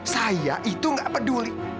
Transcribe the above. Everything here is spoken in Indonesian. saya itu gak peduli